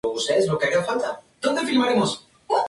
Su discografía es abundante.